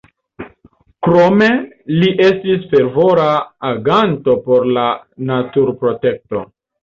Krome li estis fervora aganto por la naturprotekto.